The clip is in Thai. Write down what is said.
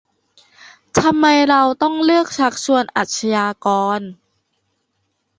ทำไมเราต้องเลือกชักชวนอาชญากร